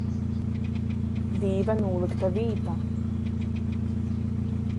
Dīva nūlykta vīta.